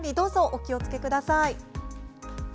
お気を付けください。